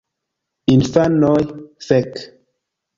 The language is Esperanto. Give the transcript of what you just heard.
Infanoj: "Fek!"